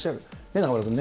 中丸君ね。